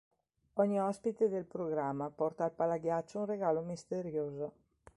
Ogni ospite del programma porta al palaghiaccio un regalo misterioso.